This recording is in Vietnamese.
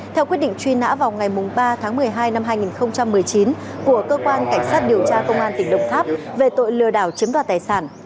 theo quyết định truy nã vào ngày ba tháng một mươi hai năm hai nghìn một mươi chín của cơ quan cảnh sát điều tra công an tỉnh đồng tháp về tội lừa đảo chiếm đoạt tài sản